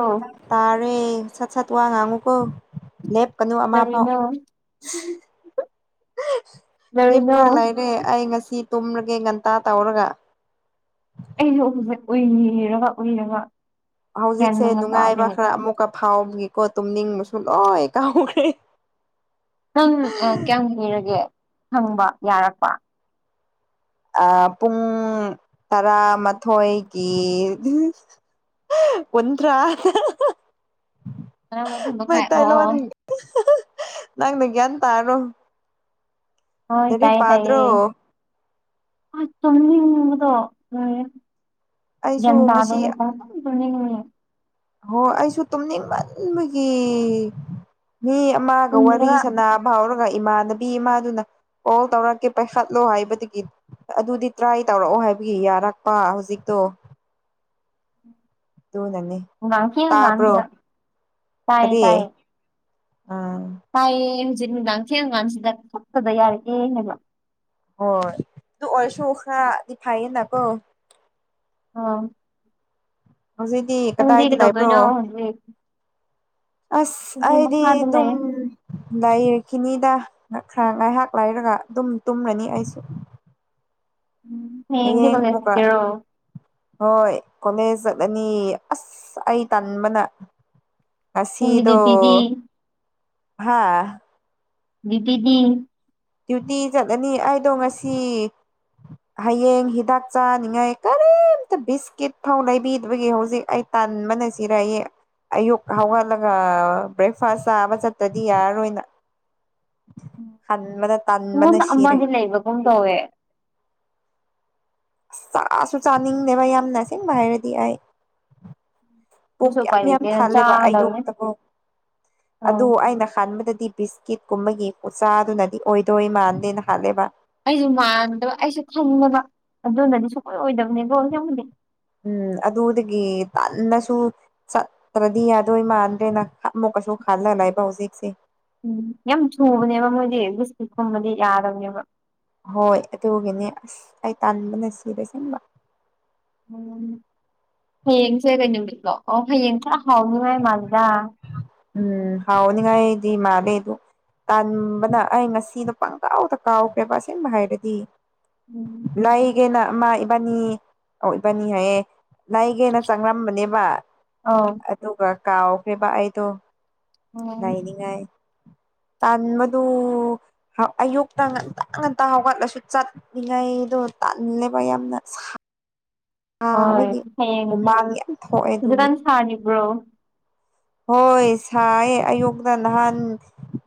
ꯑꯥ ꯇꯥꯔꯦ ꯁꯥꯠ ꯁꯥꯠ ꯋꯥꯉ ꯑꯉꯨꯀꯣ ꯂꯦꯞ ꯀꯩꯅꯨ ꯑꯃ ꯐꯥꯎ ꯀꯔꯤꯅꯣ ꯍ ꯀꯔꯤꯅꯣ ꯄ꯭ꯔ ꯂꯥꯏ ꯑꯦꯦ ꯑꯩ ꯉꯁꯤ ꯇꯨꯝꯔꯒꯦ ꯉꯟꯇꯥ ꯇꯧꯔꯒ ꯑꯩꯁꯨ ꯍꯧꯁꯛ ꯎꯏꯔꯒ ꯎꯏꯔꯒ ꯒ꯭ꯌꯥꯟ ꯍꯧꯖꯤꯛꯁꯦ ꯃꯦꯟꯒ ꯅꯨꯡꯉꯥꯏꯕ ꯇꯥꯗꯦꯅꯦ ꯈꯔ ꯑꯃꯨꯛꯀ ꯐꯥꯎꯒꯤꯀꯣ ꯇꯨꯝꯅꯤꯡꯕꯁꯨ ꯂꯣꯏ ꯀꯥꯎꯈ꯭ꯔꯦ ꯅꯪ ꯀꯌꯥꯝ ꯄꯤꯔꯒꯦ ꯍꯪꯕ ꯌꯥꯔꯛꯄ ꯄꯨꯡ ꯇꯔꯥꯃꯥꯊꯣꯏꯒꯤ ꯑꯣꯟ꯭ꯔꯥ ꯇꯔꯥꯃꯥꯊꯣꯏ ꯃꯈꯥꯏ ꯑꯣ ꯑꯣ ꯃꯩꯇꯩꯥꯏꯂꯣꯟꯣꯟ ꯅꯪꯅ ꯒ꯭ꯌꯥꯟ ꯇꯥꯔꯣ ꯍꯣꯏ ꯂꯥꯏꯔꯤꯛ ꯇꯥꯏ ꯄꯥꯗ꯭ꯔꯣ ꯇꯥꯏꯌꯦ ꯇꯃꯤꯗꯣ ꯑꯩꯁꯨ ꯉꯁꯤ ꯟꯗꯅꯦꯠꯇ ꯃꯅꯤ ꯍ ꯑꯩꯁꯨ ꯇꯨꯝꯅꯤꯡꯃꯟꯕꯒꯤ ꯃꯤ ꯑꯃꯒ ꯋꯥꯔꯤ ꯎꯏꯔꯒ ꯁ ꯐꯥꯎꯔꯒ ꯏꯃꯥꯟꯅꯕꯤ ꯏꯃꯥꯗꯨꯅ ꯑꯣꯜ ꯇꯧꯔꯛꯀꯦ ꯄꯥꯏꯈꯠꯂꯣ ꯍꯥꯏꯕꯗꯒꯤ ꯑꯗꯨꯗꯤ ꯇ꯭ꯔꯥꯏ ꯇꯧꯔꯛꯑꯣ ꯍꯥꯏꯕꯒꯤ ꯌꯥꯔꯛꯄ ꯍꯧꯖꯤꯛꯇꯣ ꯑꯗꯨꯣꯅꯅꯦ ꯎꯒꯥꯥꯡꯁꯤ ꯉꯥꯡꯁꯤꯗ ꯇꯥꯏꯌꯦ ꯇꯥꯏꯌꯦ ꯑꯥ ꯇꯥꯏꯌꯦ ꯍꯧꯖꯤꯛ ꯅꯨꯃꯤꯗꯥꯡ ꯊꯦꯡ ꯑꯉꯝꯁꯤꯗ ꯊꯣꯛꯣꯛꯇꯕ ꯌꯥꯔꯛꯑꯦ ꯍꯥꯏꯕ ꯍꯣꯏ ꯑꯗꯨ ꯑꯣꯏꯔꯁꯨꯈ꯭ꯔꯗꯤ ꯐꯩꯌꯦꯅꯥꯀꯣ ꯑ ꯍꯧꯖꯤꯛꯗꯤ ꯀꯗꯥꯏꯗ ꯂꯥꯏꯕ꯭ꯔꯣ ꯀꯩꯗꯧꯗꯣꯏꯅꯣ ꯍꯧꯖꯤꯛ ꯑꯁ ꯍꯧꯖꯤꯛ ꯍꯥꯏꯗꯤ ꯃꯈꯥꯗ ꯊꯝ ꯂꯩ ꯂꯩꯥꯏꯔꯈꯤꯅꯤꯗ ꯈꯔ ꯉꯥꯏꯍꯥꯛ ꯂꯩꯥꯏꯔꯒ ꯑꯗꯨꯝ ꯇꯨꯝꯃꯅꯤ ꯑꯩꯁꯦ ꯎꯝ ꯍꯌꯦꯡꯗꯤ ꯍꯌꯦꯡ ꯀꯣꯂꯦꯖ ꯃꯨꯒꯥꯥ ꯆꯠꯀꯦꯔꯣ ꯍꯣꯏ ꯀꯣꯂꯦꯖ ꯆꯠꯂꯅꯤ ꯑꯁ ꯑꯩ ꯇꯟꯕꯅ ꯅꯪꯒꯤ ꯉꯁꯤꯗ ꯗ꯭ꯌꯨꯇꯤꯗꯤ ꯍꯥꯥ ꯗꯤꯗꯤ ꯗ꯭ꯌꯨꯇꯤ ꯆꯠꯂꯅꯤ ꯑꯩꯗꯣ ꯉꯁꯤ ꯍꯌꯦꯡ ꯍꯤꯗꯥꯛ ꯆꯥꯅꯤꯡꯉꯥꯏ ꯀꯔꯤꯝꯇ ꯕꯤꯁꯀꯤꯠ ꯐꯥꯎ ꯂꯩꯕꯤꯗꯕꯒꯤ ꯍꯧꯖꯤꯛ ꯑꯩ ꯇꯥꯟꯃꯅꯁꯤꯔꯏꯌꯦꯦ ꯑꯌꯨꯛ ꯍꯧꯒꯠꯂꯒ ꯕ꯭ꯔꯦꯛꯐꯥꯁ ꯆꯥꯕ ꯆꯠꯄꯗꯤ ꯌꯥꯔꯔꯣꯏ ꯅꯪ ꯍꯟꯕꯗ ꯑꯩꯉꯣꯟꯗ ꯑꯃꯗꯤ ꯂꯩꯕꯒꯨꯝ ꯇꯧꯋꯦ ꯑꯁ ꯆꯥꯁꯨ ꯆꯥꯅꯤꯡꯗꯦꯕ ꯌꯥꯝꯅ ꯑꯁ‌ꯦꯡꯕ ꯍꯥꯏꯔꯗꯤ ꯑꯩ ꯄꯨꯛ ꯑꯗꯨꯁꯨ ꯎꯄꯥꯏ ꯌꯥꯝ ꯌꯥꯝ ꯂꯩꯇꯦꯅ ꯊꯜꯂꯦꯕ ꯆꯥꯒꯗꯕꯅꯦ ꯑꯌꯨꯛꯇꯀ‌ꯣ ꯎꯝ ꯑꯗꯨ ꯑꯩꯅ ꯈꯟꯕꯗꯗꯤ ꯄꯤꯁ ꯀꯤꯠ ꯀꯨꯝꯕꯒꯤ ꯎꯆꯥꯗꯨꯅꯗꯤ ꯑꯣꯏꯗꯣꯏ ꯃꯥꯟꯗꯦꯅ ꯈꯜꯂꯦꯕ ꯑꯩꯁꯨ ꯃꯥꯟꯗꯕ ꯑꯩꯁꯨ ꯈꯪꯉ‌ꯦꯕ ꯑꯗꯨꯅꯗꯤ ꯁꯨꯡꯑꯣꯏ ꯑꯣꯏꯗꯕꯅꯦꯕꯣ ꯑꯁ‌ꯦꯡꯕ ꯎꯝ ꯑꯗꯨꯗꯒꯤ ꯇꯟꯅꯁꯨ ꯆꯠꯇ꯭ꯔꯗꯤ ꯌꯥꯗꯣꯏ ꯃꯥꯟꯗ꯭ꯔꯦꯅ ꯑꯃꯨꯛ ꯀꯩꯁꯨ ꯈꯜꯂꯂꯏꯕ ꯍꯧꯖꯤꯛꯁꯦ ꯎꯝ ꯌꯥꯝ ꯁꯨꯕꯅꯦꯕ ꯃꯣꯏꯗꯤ ꯕꯤꯁꯇꯛꯀꯨꯝꯕꯗꯤ ꯌꯥꯗꯔꯕꯅꯦꯕ ꯍꯣꯏ ꯑꯗꯨꯒꯤꯅꯤ ꯑꯁ ꯑꯩ ꯇꯥꯟꯕꯅ ꯁꯤꯕ ꯁꯤꯕ ꯎꯝ ꯍꯌꯦꯡꯁꯦ ꯀꯩ ꯅꯨꯃꯤꯠꯂꯣ ꯑꯣ ꯍꯌꯦꯡꯁ ꯍꯥꯎꯅꯤꯉꯥꯏ ꯃꯥꯜꯂꯤꯗ ꯎꯝ ꯍꯥꯎꯅꯤꯒ ꯏꯗꯤ ꯃꯅꯦ ꯑꯗꯨ ꯇꯥꯟꯕꯅ ꯑꯩ ꯉꯁꯤꯗꯣ ꯄꯪꯒꯥꯎꯗ ꯀꯥꯎꯈ꯭ꯔꯦꯕ ꯑꯁꯦꯡꯕ ꯍꯥꯏꯔꯗꯤ ꯎꯝ ꯂꯩꯒꯦꯅ ꯑꯃ ꯏꯕꯥꯅꯤ ꯑꯣ ꯏꯕꯥꯅꯤ ꯍꯥꯏꯌꯦ ꯂꯩꯒꯦꯅ ꯆꯪꯂꯝꯕꯅꯦꯕ ꯑꯧ ꯑꯗꯨꯒ ꯀꯥꯎꯈ꯭ꯔ‌ꯦꯕ ꯑꯩꯗꯣ ꯎꯝ ꯂꯩꯅꯤꯡꯉꯥꯏ ꯇꯟꯕꯗꯨ ꯍꯥ ꯑꯌꯨꯛꯇ ꯉꯟꯇ ꯉꯟꯇ ꯍꯧꯒꯠꯂꯁꯨ ꯆꯠ ꯂꯤꯉꯩꯗꯣ ꯇꯜꯂꯦꯕ ꯌꯥꯝꯅ ꯁꯥ ꯍꯣꯏ ꯍꯌꯦꯡ ꯍꯨꯃꯥꯡ ꯌꯥꯝ ꯊꯣꯛꯑꯦ ꯑꯗꯨꯒꯤ ꯍꯧꯖꯤꯛꯀꯥꯟ ꯁꯥꯔꯤꯕ꯭ꯔꯣ ꯍꯣꯏ ꯁꯥꯏꯌꯦ ꯑꯌꯨꯛꯇ ꯅꯍꯥꯟ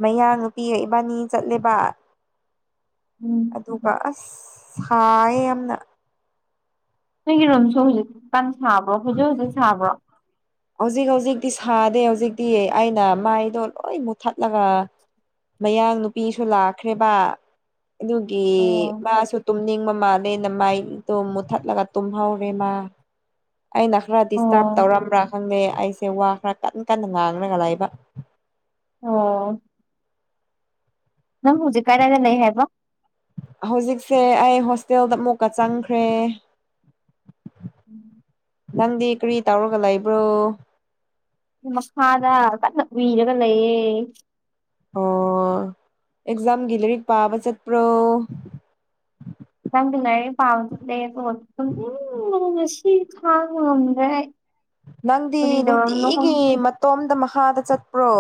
ꯃꯌꯥꯡ ꯅꯨꯄꯤꯒ ꯏꯕꯟꯅꯤ ꯆꯠꯂꯦꯕ ꯎꯝ ꯑꯗꯨꯒ ꯑꯁ ꯁꯥꯏꯌꯦ ꯌꯥꯝꯅ ꯅꯣꯏꯒꯤ ꯔꯨꯝꯁꯨ ꯍꯧꯖꯤꯛ ꯀꯥꯟ ꯁꯥꯕ꯭ꯔꯣ ꯍꯧꯖꯤꯛ ꯍꯧꯖꯤꯛ ꯁꯥꯕ꯭ꯔꯣ ꯍꯧꯖꯤꯛ ꯍꯧꯖꯤꯛꯇꯤ ꯁꯥꯗꯦ ꯍꯧꯖꯤꯛꯇꯤ ꯑꯩꯅ ꯃꯩꯗꯣ ꯂꯣꯏ ꯃꯨꯊꯠꯂꯒ ꯃꯌꯥꯡ ꯅꯨꯄꯤꯁꯨ ꯂꯥꯛꯈ꯭ꯔꯦꯕ ꯑꯗꯨꯒꯤ ꯑꯣ ꯃꯥꯁꯨ ꯇꯨꯝꯅꯤꯡꯕ ꯃꯥꯜꯂꯦꯅ ꯃꯩꯗꯣ ꯃꯨꯊꯠꯂꯒ ꯇꯨꯝꯍꯧꯔꯦ ꯃꯥ ꯑꯩꯅ ꯈꯔ ꯗꯤꯁꯇꯔꯕ ꯑꯣ ꯇꯧꯔꯝꯕ꯭ꯔꯥ ꯈꯪꯗꯦ ꯑꯩꯁꯦ ꯋꯥ ꯈꯔ ꯀꯟꯅ ꯀꯟꯅ ꯉꯥꯡꯂꯒ ꯂꯩꯕ ꯑꯣ ꯅꯪ ꯍꯧꯖꯤꯛ ꯀꯔꯥꯏꯅ ꯂꯩ ꯍꯥꯏ ꯍꯧꯖꯤꯛꯁꯦ ꯑꯩ ꯍꯣꯁꯇꯦꯜꯗ ꯑꯃꯨꯛꯀ ꯆꯪꯈ꯭ꯔꯦ [unintelligible] ꯅꯪꯗꯤ ꯀꯔꯤ ꯇꯧꯔꯒ ꯂꯩꯕ꯭ꯔꯣ ꯃꯈꯥꯗ ꯀꯟꯅ ꯎꯏꯔꯒ ꯂꯩꯌꯦ ꯑꯣ ꯑꯦꯛꯖꯥꯝꯒꯤ ꯂꯩꯔꯤꯛ ꯄꯥꯕ ꯆꯠꯄ꯭ꯔꯣ ꯅꯪꯗꯤ ꯂꯥꯏꯔ‌ꯦꯛ ꯄꯕꯥ‌ ꯆꯠꯂ‌ꯦꯀ‌ꯣ ꯇꯨꯝꯅꯤꯡꯕꯅ ꯉꯁꯤ ꯈꯥꯡꯕ ꯉꯝꯗ꯭ꯔꯦ ꯑꯩ ꯅꯪꯗꯤ ꯀꯔꯤ ꯇꯧꯔꯕꯅꯣ ꯅꯨꯡꯇꯤꯒꯤ ꯈꯪꯗꯦ ꯃꯇꯣꯝꯗ ꯃꯈꯥꯗ ꯆꯠꯄ꯭ꯔꯣ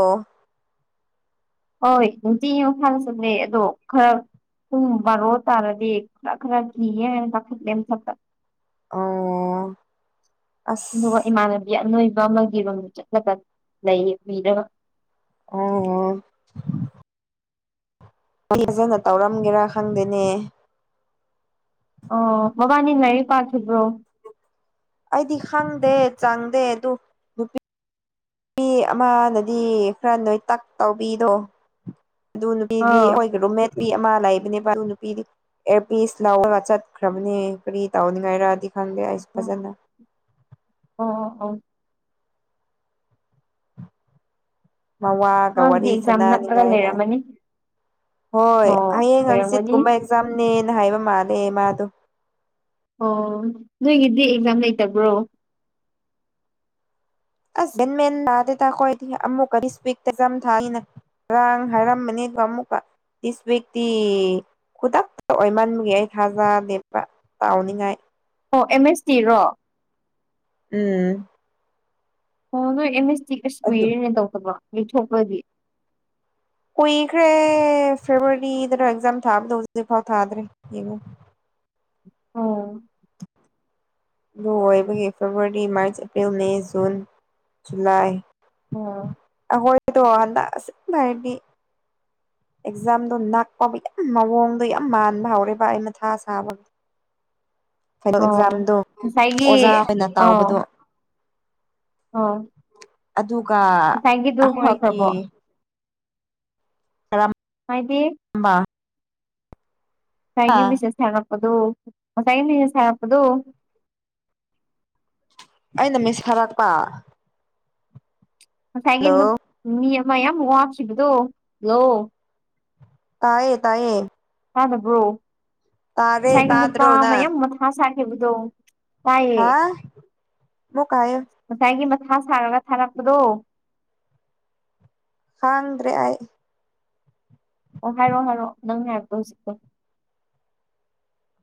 ꯍꯣꯏ ꯅꯨꯡꯇꯤꯒꯤ ꯃꯈꯥꯗ ꯆꯠꯂꯦ ꯑꯗꯣ ꯈꯔ ꯄꯨꯡ ꯕꯥ‌ꯔ‌ꯣ ꯇꯥꯔꯗꯤ ꯈꯔ ꯈꯔ ꯀꯤꯌꯦ ꯍꯥꯏꯅ ꯀꯥꯈꯠꯂꯦ ꯃꯥꯊꯛ ꯑꯣ ꯑꯁ ꯑꯗꯨꯒ ꯏꯃꯥꯟꯅꯕꯤ ꯑꯅꯣꯏꯕ ꯑꯃꯒꯤꯔꯣꯝꯗ ꯆꯠꯂꯒ ꯂꯩꯌꯦ ꯀꯨꯏꯔꯔ‌ꯣꯏ ꯑꯣ ꯑꯩ ꯐꯖꯅ ꯇꯧꯔꯝꯒꯦꯔ ꯈꯪꯗꯦꯅꯦ ꯑꯣ ꯃꯕꯥꯅꯤ ꯂꯥꯏꯔꯤꯛ ꯄꯥꯈꯤꯕ꯭ꯔꯣ ꯑꯩꯗꯤ ꯈꯪꯗꯦ ꯆꯪꯗꯦ ꯑꯗꯨꯝ ꯃꯤ ꯑꯃꯅꯗꯤ ꯈꯔ ꯅꯣꯏꯇꯛ ꯇꯧꯕꯤꯗꯣ ꯑꯗꯨ ꯅꯨꯄꯤꯗꯤ ꯑꯥꯎ ꯑꯩꯈꯣꯏꯒꯤ ꯔꯨꯝꯃꯦꯠꯄꯤ ꯑꯃ ꯂꯩꯕꯅꯦꯕ ꯑꯗꯨ ꯅꯨꯄꯤꯗꯤ ꯑꯦꯔ ꯄꯤꯁ ꯂꯥꯎꯔꯒ ꯆꯠꯈ꯭ꯔꯕꯅꯦ ꯀꯔꯤ ꯇꯧꯅꯤꯡꯉꯥꯏꯔꯗꯤ ꯈꯪꯗꯦ ꯑꯩꯁꯨ ꯑꯣ ꯐꯖꯅ ꯑꯣ ꯑꯣ ꯃꯋꯥꯒ ꯃꯥꯒꯤꯗꯤ ꯋꯥꯔꯤ ꯑꯦꯛꯖꯥꯝ ꯅꯛꯂꯒ ꯁꯅꯅꯤꯡꯉꯥꯏꯔ ꯂꯩꯔꯝꯃꯅꯤ ꯍꯣꯏ ꯑꯣ ꯍꯌꯦꯡ ꯑꯣꯏꯔꯝꯒꯅꯤ ꯍꯪꯆꯤꯠꯀꯨꯝꯕ ꯑꯦꯛꯖꯥꯝꯅꯦꯅ ꯍꯥꯏꯕ ꯃꯥꯜꯂꯦ ꯃꯥꯗꯣ ꯑꯣ ꯅꯣꯏꯒꯤꯗꯤ ꯑꯦꯛꯖꯥꯝ ꯂꯩꯇꯕ꯭ꯔꯣ ꯑꯁ ꯒ꯭ꯌꯥꯟ ꯃꯦꯟ ꯇꯥꯗꯦꯗ ꯑꯈꫭꯏꯗꯤ [unintelligible] ꯔꯥꯡ ꯍꯥꯏꯔꯝꯕꯅꯤꯕ ꯑꯃꯨꯛꯀ ꯗꯤꯁ ꯋꯤꯛꯇꯤ ꯈꯨꯗꯛꯇ ꯑꯣꯏꯃꯟꯒ ꯑꯩ ꯊꯥꯖꯗꯦꯕ ꯇꯥꯎꯅꯤꯡꯉꯥꯏ ꯑꯣ ꯑꯦꯝ ꯑꯦꯁ ꯇꯤꯔꯣ ꯎꯝ ꯑꯣ ꯅꯣꯏ ꯑꯦꯝ ꯑꯦꯁ ꯇꯤ ꯑꯁ ꯑꯗꯨ ꯀꯨꯏꯔꯦꯅꯦ ꯇꯧꯗꯕ ꯌꯩꯊꯣꯛꯄꯒꯤ ꯀꯨꯏꯈ꯭ꯔꯦ ꯐꯦꯕ꯭ꯔꯋꯥꯔꯤꯗꯔ ꯑꯦꯛꯖꯥꯝ ꯊꯥꯕꯗꯣ ꯍꯧꯖꯤꯛꯐꯥꯎ ꯊꯥꯗ꯭ꯔꯦ ꯌꯦꯡꯉꯣ ꯑꯣ ꯂꯣꯏꯕꯒꯤ February March April May June July ꯑꯣ ꯑꯍꯣꯏꯗꯣ ꯑꯥꯟꯗ ꯑꯁ ꯁ‌ꯦꯡꯕ ꯍꯥꯏꯕꯤꯒ‌ꯦ ꯑꯦꯛꯖꯥꯝꯗꯣ ꯅꯥꯛꯄꯕꯨ ꯌꯥꯝ ꯃꯑꯣꯡꯗꯣ ꯌꯥꯝ ꯃꯥꯟꯕ ꯍꯧꯔꯦꯕ ꯑꯩ ꯃꯊꯥ ꯁꯥꯕ ꯐꯥꯏꯅꯦꯜ ꯑꯣ ꯑꯦꯛꯖꯥꯝꯗꯣ ꯉꯁꯥꯏꯒꯤ ꯑꯣꯖꯥ ꯍ‌ꯣꯏꯅ ꯇꯧꯕꯗꯣ ꯑꫭ ꯑꯗꯨꯒ ꯑꯩꯈꯣꯏꯒꯤ ꯐꯈ꯭ꯔꯕꯣ [unintelligible] ꯍꯥꯏꯗꯤ [unintelligible] ꯍꯥ ꯉꯁꯥꯏꯒꯤ ꯃꯦꯁꯦꯁ ꯊꯔꯛꯄꯗꯨ ꯉꯁꯥꯏꯒꯤ ꯃꯦꯁꯦꯁ ꯊꯔꯛꯄꯗꯨ ꯑꯩꯅ ꯃꯤꯁ ꯍꯥꯏꯔꯛꯄ ꯉꯁꯥꯏꯒꯤ ꯅꯨꯞ ꯃꯤ ꯑꯃ ꯌꯥꯝ ꯋꯥꯞꯈꯤꯕꯗꯣ ꯂꯣ ꯇꯥꯏꯌꯦ ꯇꯥꯏꯌꯦ ꯇꯥꯗꯕ꯭ꯔꯣ ꯇꯥꯔꯦ ꯉꯁꯥꯏꯒꯤ ꯇꯥꯗ꯭ꯔꯣ ꯅꯨꯄꯥꯃ ꯅꯪ ꯌꯥꯝ ꯃꯊꯥ ꯁꯥꯈꯤꯕꯗꯣ ꯇꯥꯏꯌꯦ [unintelligible] ꯉꯁꯥꯏꯒꯤ ꯃꯊꯥ ꯁꯥꯔꯒ ꯊꯥꯔꯛꯄꯗꯣ ꯍꯥꯡꯗ꯭ꯔꯦ ꯑꯩ ꯑꯣ ꯍꯥꯏꯔꯛꯑꯣ ꯍꯥꯏꯔꯛꯑꯣ ꯅꯪ ꯍꯥꯏꯕꯗꯣ ꯍꯧꯖꯤꯛꯀꯤꯗꯣ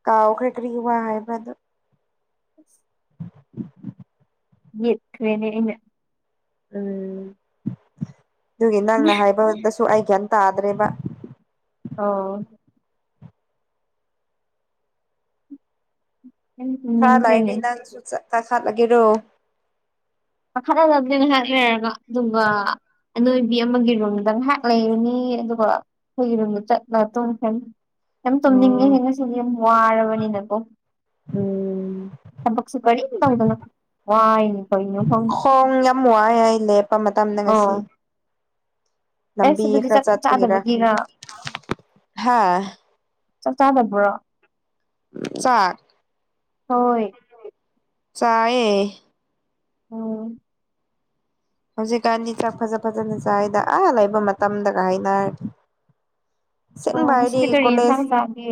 ꯀꯥꯎꯈ꯭ꯔꯦ ꯀ꯭ꯔꯤ ꯋꯥ ꯍꯥꯏꯕ꯭ꯔ ꯑꯗꯨ ꯌꯦꯠꯈ꯭ꯔꯦꯅꯦ ꯑꯩꯅ ꯎꯝ ꯑꯗꯨꯒꯤ ꯅꯪꯅ ꯍꯥꯏꯕꯗꯁꯨ ꯑꯩ ꯒ꯭ꯌꯥꯟ ꯇꯥꯗ꯭ꯔꯦꯕ ꯑꯣ ꯌꯥꯝ ꯈꯥ ꯇꯨꯝꯅꯤꯡꯈ꯭ꯔꯦꯅꯦ ꯂꯩꯗꯤ ꯅꯪꯁꯨ ꯆꯠ ꯂꯈꯠꯂꯒꯦꯔꯣ [unintelligible] ꯉꯥꯛ ꯂꯩꯔꯒ ꯑꯗꯨꯒ ꯑꯅꯣꯏꯕꯤ ꯑꯃꯒꯤ ꯔꯨꯝꯗ ꯉꯩꯍꯥꯛ ꯂꯩꯔꯅꯤ ꯑꯗꯨꯒ ꯑꯩꯈꯣꯏꯒꯤ ꯔꯨꯝꯗ ꯆꯠꯂ ꯇꯨꯝꯈ꯭ꯔꯅꯤ ꯌꯥꯝ ꯇꯨꯝꯅꯤꯡꯉꯦꯍꯦ ꯎꯝ ꯉꯁꯤꯗꯤ ꯌꯥꯝ ꯋꯥꯔꯕꯅꯤꯅꯀꯣ ꯎꯝ ꯊꯕꯛꯁꯨ ꯀꯔꯤꯝ ꯇꯧꯗꯅ ꯋꯥꯏꯅꯤ ꯀꯩꯅꯣ ꯈꯪꯗꯦ ꯈꯣꯡ ꯌꯥꯝ ꯋꯥꯏ ꯑꯩ ꯂꯦꯞꯄ ꯃꯇꯝꯗ ꯉꯁꯤ ꯑꯣ ꯑꯦꯁ ꯂꯝꯕꯤ ꯑꯗꯨꯗꯤ ꯈꯔ ꯆꯥꯛ ꯆꯠꯄꯒꯤꯔ ꯆꯥꯗꯕꯒꯤꯔ ꯍꯥ ꯆꯥꯛ ꯆꯥꯗꯕ꯭ꯔꯣ ꯆꯥꯛ ꯍꯣꯏ ꯆꯥꯏꯌꯦ ꯎꯝ ꯍꯧꯖꯤꯛꯀꯥꯟꯗꯤ ꯆꯥꯛ ꯐꯖ ꯐꯖꯅ ꯆꯥꯏꯌꯦꯗ ꯑꯥ ꯂꯩꯕ ꯃꯇꯝꯗꯒ ꯍꯥꯏꯅꯔꯗꯤ ꯑꯣ ꯑꯁꯦꯡꯕ ꯍꯥꯏꯗꯤ ꯉꯁꯤꯗꯤ ꯀꯔꯤ ꯌꯦꯟꯁꯥꯡ ꯀꯣꯂꯦꯖ ꯆꯥꯒꯦ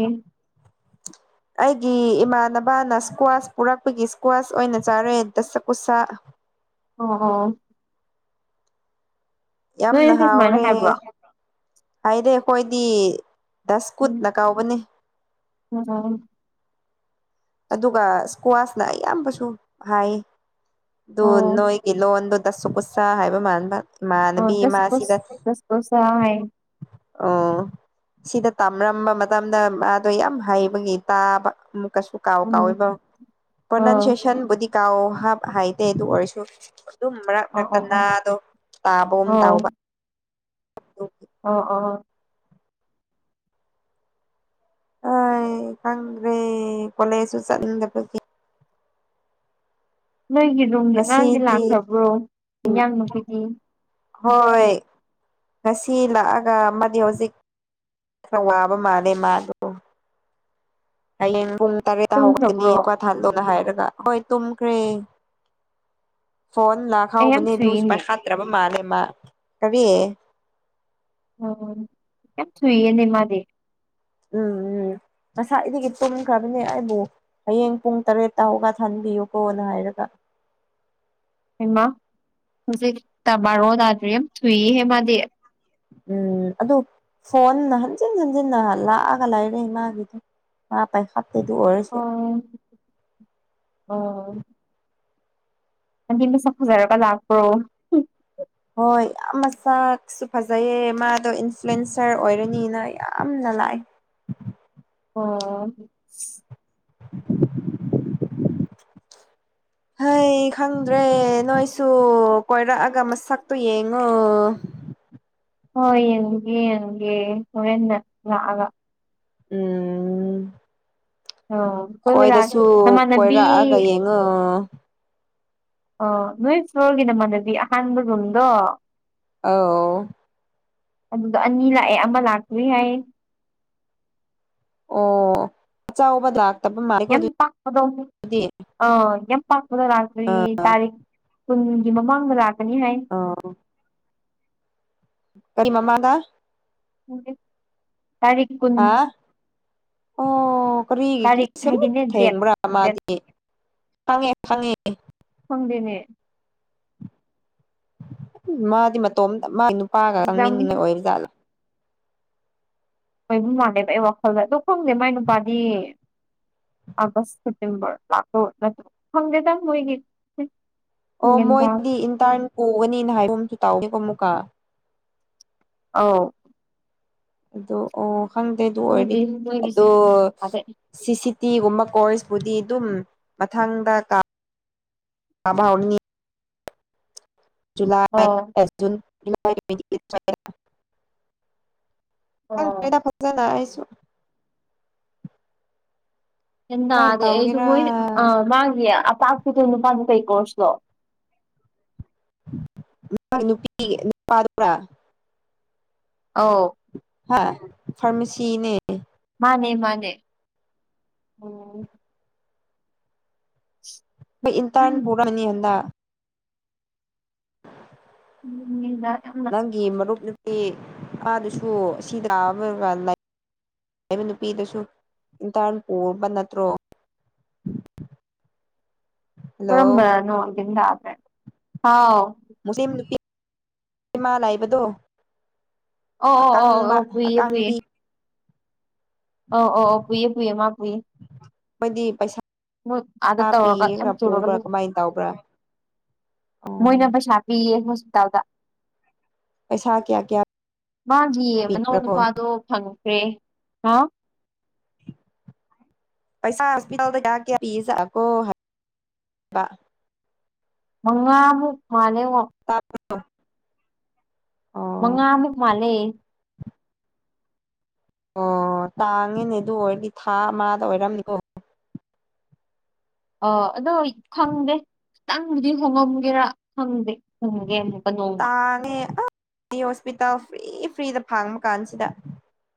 ꯑꯩꯒꯤ ꯏꯃꯥꯟꯅꯕꯅ ꯏꯁꯀ꯭ꯋꯥꯁ ꯄꯨꯔꯛꯄꯒꯤ ꯏꯁꯀ꯭ꯋꯥꯁ ꯑꯣꯏꯅ ꯆꯥꯔꯦ ꯗꯁꯀꯨꯁꯥ ꯑꯣ ꯑꯣ ꯌꯥꯝꯅ ꯅꯣꯏꯁꯨ ꯁꯨꯃꯥꯏꯅ ꯍꯥꯎꯔꯦ ꯍꯥꯏꯕ꯭ꯔꯣ ꯍꯥꯏꯗꯤ ꯑꯈꯣꯏꯗꯤ ꯎꯝ ꯗꯁꯀꯨꯠꯅ ꯀꯧꯕꯅꯦ [unintelligible] ꯑꯗꯨꯒ ꯁꯀ꯭ꯋꯥꯁꯅ ꯑꯌꯥꯝꯕꯁꯨ ꯍꯥꯏꯑꯦ ꯗꯨ ꯑꯣ ꯅꯣꯏꯒꯤ ꯂꯣꯟꯗꯨ ꯇꯁꯀꯨꯁ ꯍꯥꯏꯕ ꯃꯥꯟꯕ ꯏꯃꯥꯟꯅꯕꯤ ꯑꯃ ꯁꯤꯗ ꯍꯥꯏ ꯑꯧ ꯁꯤꯗ ꯇꯝꯔꯝꯕ ꯃꯇꯝꯗ ꯃꯥꯗꯣ ꯌꯥꯝ ꯍꯩꯕꯒꯤ ꯇꯥꯕ ꯑꯃꯨꯛ ꯀꯁꯨ ꯀꯥꯎ ꯎꯝ ꯀꯥꯎꯏꯕ ꯑꯥ ꯄ꯭ꯔꯣꯅꯟꯁꯦꯁꯟꯕꯨꯗꯤ ꯀꯥꯎ ꯍꯥꯞ ꯍꯥꯏꯗꯦ ꯑꯗꯨ ꯑꯣꯏꯔꯁꯨ ꯑꯗꯨꯝ ꯃꯔꯛ ꯑꯣ ꯃꯔꯛꯇ ꯑꯣ ꯑꯣ ꯅꯥꯗꯣ ꯇꯥꯕꯒꯨ ꯑꯣ ꯇꯥꯎꯕ ꯑꯗꯨꯒꯤ ꯑꯣ ꯑꯣ ꯍꫭꯏ ꯈꯪꯗ꯭ꯔꯦ ꯀꯂꯦꯁꯁꯨ ꯆꯠꯂꯨꯗꯕꯒꯤ ꯅꯣꯏꯒꯤ ꯔꯨꯝꯗꯤ ꯑꯉꯥꯡꯗꯤ ꯉꯁꯤꯗꯤ ꯂꯥꯛꯈ꯭ꯔꯕ꯭ꯔꯣ [unintelligible] ꯍꯣꯏ ꯉꯁꯤ ꯂꯥꯛꯑꯒ ꯑꯃꯗꯤ ꯍꯧꯖꯤꯛ ꯈꯔ ꯋꯥꯕ ꯃꯥꯜꯂꯦ ꯃꯥꯗꯣ ꯍꯌꯦꯡ ꯄꯨꯡ ꯇꯔꯦꯠ ꯇꯥ ꯍꯧꯒꯠꯀꯅꯤ ꯇꯨꯝꯈ꯭ꯔꯕ꯭ꯔꯣ ꯍꯧꯒꯠ ꯍꯟꯂꯣꯅ ꯍꯥꯏꯔꯒ ꯍꯣꯏ ꯇꯨꯝꯈ꯭ꯔꯦ ꯐꯣꯟ ꯂꯥꯛ ꯑꯩ ꯌꯥꯝ ꯍꯥꯎꯕꯅꯦ ꯑꯗꯨꯨꯁꯨ ꯊꯨꯏꯌꯦꯅꯦ ꯄꯥꯏ ꯈꯠꯇ꯭ꯔꯕ ꯃꯥꯜꯂꯦ ꯃꯥ ꯀꯔꯤ ꯑꯣꯑꯣ ꯌꯥꯝ ꯊꯨꯏꯌꯦꯅꯦ ꯃꯥꯗꯤ ꯎꯝ ꯎꯝ ꯉꯁꯥꯏꯗꯒꯤ ꯇꯨꯝꯈ꯭ꯔꯕꯅꯦ ꯑꯩꯕꯨ ꯍꯌꯦꯡ ꯄꯨꯡ ꯇꯔꯦꯠꯇ ꯍꯧꯒꯠꯍꯟꯕꯤꯌꯨꯀꯣꯅ ꯍꯥꯏꯔꯒ ꯍꯩꯃꯥ ꯍꯧꯖꯤꯛ ꯇ ꯕꯥꯔꯣ ꯇꯥꯗ꯭ꯔꯤ ꯌꯥꯝ ꯊꯨꯏ ꯍꯦ ꯃꯥꯗꯤ ꯎꯝ ꯑꯗꯨ ꯐꯣꯟ ꯍꯟꯖꯤꯟ ꯍꯟꯖꯤꯟꯅ ꯂꯥꯛꯑꯒ ꯂꯩꯔꯦ ꯃꯥꯒꯤꯗꯨ ꯃꯥ ꯄꯥꯏꯈꯠꯇꯦ ꯗꯨ ꯑꯣꯏꯔꯁꯨ ꯎꯝ ꯍꯥꯏꯗꯤ ꯃꯁꯛ ꯐꯖꯔꯒ ꯂꯥꯛꯄ꯭ꯔꯣ ꯍꯣꯏ ꯌꯥꯝ ꯃꯁꯥꯛꯁꯨ ꯐꯖꯩꯑꯌꯦ ꯃꯥꯗꯣ ꯏꯟꯐ꯭ꯂꯨꯌꯦꯟꯁꯔ ꯑꯣꯏꯔꯅꯤꯅ ꯌꯥꯝꯅ ꯂꯥꯛꯑꯦ ꯑꯣ [inaudible] ꯍꯩ ꯈꯪꯗ꯭ꯔꯦ ꯅꯣꯏꯁꯨ ꯀꯣꯏꯔꯛꯑꯒ ꯃꯁꯛꯇꯣ ꯌꯦꯡꯉꯣ ꯍꯣꯏ ꯌꯦꯡꯒꯦ ꯌꯦꯡꯒꯦ ꯍꯣꯔꯦꯟꯅ ꯂꯥꯛꯑꯒ ꯎꯝ ꯑꯣ ꯈꯣꯏꯗꯁꯨ ꯀꯣꯏꯔꯛꯑꯒ ꯌꯦꯡꯉꯣ ꯑꯣ ꯅꯣꯏ ꯐ꯭ꯂꯣꯔꯒꯤ ꯅꯃꯥꯟꯅꯕꯤ ꯑꯍꯥꯟꯕ ꯔꯨꯝꯗꯣ ꯑꯧ ꯑꯗꯨꯗꯣ ꯑꯅꯤ ꯂꯥꯛꯑꯦ ꯑꯃ ꯂꯥꯛꯇ꯭ꯔꯤ ꯍꯥꯏꯌꯦ ꯑꯣ ꯑꯆꯧꯕ ꯗꯥꯛ ꯌꯥꯝ ꯄꯥꯛꯄꯗꯣ ꯑꯧ ꯌꯥꯝ ꯄꯥꯛꯄꯗꯣ ꯂꯥꯛꯇ꯭ꯔꯤ ꯇꯥꯔꯤꯛ ꯀꯨꯟꯒꯤ ꯃꯃꯥꯡꯗ ꯂꯥꯛꯀꯅꯤ ꯍꯥꯏ ꯑꯣ ꯀꯔꯤ ꯃꯝꯥꯡꯗ ꯇꯥꯔꯤꯛ ꯀꯨꯟ ꯍꯥ ꯑꯣ ꯀꯔꯤꯒꯤ ꯇꯥꯔꯤꯛ ꯁꯦꯝ ꯃꯨꯠ ꯍꯥꯏꯗꯤꯅꯦ ꯗꯦꯠ ꯊꯦꯡꯕ꯭ꯔꯥ ꯗꯦꯠ ꯃꯥꯗꯤ ꯈꯪꯉꯦ ꯈꯪꯉꯦ ꯈꯪꯗꯦꯅꯦ ꯃꯥꯗꯤ ꯃꯇꯣꯝꯇ ꯃꯥꯒꯤ ꯅꯨꯄꯥꯒ ꯑꯦꯛꯖꯥꯝ ꯆꯪꯃꯤꯅꯤꯡꯕ ꯑꯣꯏꯕ ꯖꯥꯠꯂꯥ ꯑꯣꯏꯕ ꯃꯥꯜꯂꯦꯕ ꯑꯩ ꯋꯥꯈꯜꯗ ꯑꯗꯣ ꯈꯪꯗꯦ ꯃꯥꯏ ꯅꯨꯄꯥꯗꯤ ꯑꯥꯒꯁ ꯁꯦꯞꯇꯦꯝꯕꯔ ꯂꯥꯛꯇꯧ ꯅꯠꯇ ꯈꯪꯗꯦꯗ ꯃꯣꯏꯒꯤꯁꯤ ꯑꯣ ꯃꯣꯏꯗꯤ ꯏꯟꯇ꯭ꯔꯟ ꯄꯨꯒꯅꯤꯅ ꯍꯥꯏꯕ ꯒꯨꯝꯁꯨ ꯇꯥꯎꯑꯦꯀꯣ ꯑꯃꯨꯛꯀ ꯑꯥꯎ ꯑꯗꯨ ꯑꯣ ꯈꯪꯗꯦ ꯑꯗꯨ ꯑꯣꯏꯔꯗꯤ ꯈꯪꯗꯦ ꯃꯣꯏꯒꯤꯁꯦ ꯑꯗꯣ ꯑꯗꯩ ꯁꯤ ꯁꯤ ꯇꯤꯒꯨꯝꯕ ꯀꯣꯔꯁꯄꯨꯗꯤ ꯑꯗꯨꯝ ꯃꯊꯪꯗ ꯀꯥ [unintelligible] ꯍꯥꯎꯔꯅꯤ ꯖꯨꯂꯥꯏ ꯑꯣ [inaudible] ꯖꯨꯂꯩ ꯇ꯭ꯋꯦꯟꯇꯤ ꯑꯩꯠ ꯁꯨꯋꯥꯏꯗ ꯑꯣ ꯈꯪꯗ꯭ꯔ‌ꯦꯗꯥ ꯐꯖꯅ ꯑꯩꯁꯨ ꯌꯥꯝ ꯀꯃꯥꯏꯅ ꯅꯥꯗꯦ ꯑꯩꯁꯨ ꯇꯧꯒꯦꯔꯥ ꯃꯣꯏ ꯑꯥ ꯃꯥꯒꯤ ꯑꯄꯥꯛꯄꯗ‌ꯣ ꯅꯨꯄꯥꯗ‌ꯣ ꯀꯩ ꯀꯣꯔꯁꯂꯣ [inaudible] ꯃꯥꯏ ꯅꯨꯄꯤꯒꯤ ꯅꯨꯄꯥꯗꯨꯔꯥ ꯑꯧ ꯍꯥ ꯐꯥꯔꯃꯁꯤꯅꯦ ꯃꯥꯅꯦ ꯃꯥꯅꯦ ꯎꯝ ꯑꯩ ꯏꯟꯇ꯭ꯔꯟ ꯄꯨꯔꯅꯤ ꯍꯟꯗꯛ ꯎꯝ [unintelligible] ꯅꯪꯒꯤ ꯃꯔꯨꯞ ꯅꯨꯄꯤ ꯑꯗꯨꯁꯨ ꯑꯁꯤꯗ ꯑꯃꯒ ꯂꯩ ꯂꯩꯕ ꯅꯨꯄꯤꯗꯨꯁꯨ ꯏꯟꯇ꯭ꯔꯟ ꯄꯨꯕ ꯅꯠꯇ꯭ꯔꯣ [inaudible] ꯍꯜꯂꯣ ꯀꯔꯝꯕꯅꯅꯣ ꯒꯤꯟ ꯇꯥꯗ꯭ꯔꯦ ꯍꯥꯎ ꯃꯨꯁꯂꯤꯝ ꯅꯨꯄꯤ ꯏꯃꯥ ꯂꯥꯏꯕꯗꯣ ꯑꯣ ꯑꯣ ꯑꯣ ꯑꯀꯪꯕ ꯑꯣ ꯄꯨꯏꯌꯦ ꯑꯀꯪꯕꯤ ꯑꯣ ꯑꯣ ꯑꯣ ꯄꯨꯏꯌꯦ ꯄꯨꯏꯌꯦ ꯃꯥ ꯄꯨꯏꯌꯦ ꯃꯣꯏꯗꯤ ꯄꯩꯁꯥ ꯃ‌ꯣꯏ ꯑꯥꯗ ꯇꯧꯔꯒ ꯌꯥꯝ ꯄꯤꯔꯒ ꯆꯨꯔꯒ ꯄꯨꯕ꯭ꯔꯥ ꯂꯩ ꯀꯃꯥꯏꯅ ꯇꯧꯕ꯭ꯔꯥ ꯃꯣꯏꯅ ꯑꯣ ꯄꯩꯁꯥ ꯄꯤꯌꯦ ꯍꯣꯁꯄꯤꯇꯥꯜꯗ ꯄꯩꯁꯥ ꯀꯌꯥ ꯀꯌꯥ ꯃꯥꯒꯤ ꯃꯅꯥꯎ ꯄꯤꯕ꯭ꯔꯥꯀꯣ ꯅꯨꯄꯥꯗꯣ ꯐꯪꯈ꯭ꯔꯦ ꯍꯥ ꯄꯩꯁꯥ ꯍꯣꯁꯄꯤꯇꯥꯜꯗ [inaudible] ꯀꯌꯥ [inaudible] ꯍꯥꯏꯕ ꯃꯉꯥꯃꯨꯛ ꯃꯥꯜꯂ‌ꯦꯉꯣ ꯇꯥ [inaudible] ꯕ꯭ꯔ‌ꯣ ꯑꯣ ꯃꯉꯥꯃꯨꯛ ꯃꯥꯜꯂꯦ [inaudible] ꯑꯣ ꯇꯥꯡꯉꯤꯅꯦ ꯑꯗꯨ ꯑꯣꯏꯔꯗꯤ ꯊꯥ ꯑꯃꯗ ꯑꯣꯏꯔꯝꯅꯤꯀꯣ ꯑ ꯑꯗꯣ ꯈꯪꯗꯦ ꯈꯤꯇꯪꯕꯨꯗꯤ ꯍꯣꯡꯉꯝꯒꯦꯔꯥ ꯈꯪꯗꯦ ꯍꯪꯒꯦ ꯑꯃꯨꯛꯀ ꯅꯣꯡꯃ ꯇꯥꯡꯉꯦ ꯑ ꯍꯣꯁꯄꯤꯇꯥꯜ ꯐ꯭ꯔꯤ ꯐ꯭ꯔꯤꯗ ꯐꯪꯕ ꯀꯥꯟꯁꯤꯗ